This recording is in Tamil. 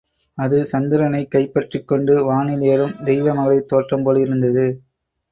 அது சந்திரனைக் கைப்பற்றிக் கொண்டு வானில் ஏறும் தெய்வ மகளிர் தோற்றம் போலிருந்தது.